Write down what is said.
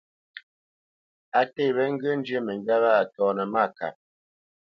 A nté wé ŋgyə̂ njyə́ məŋgywá wâ a tɔnə́ mâkap.